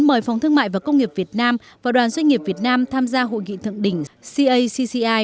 mời phòng thương mại và công nghiệp việt nam và đoàn doanh nghiệp việt nam tham gia hội nghị thượng đỉnh caci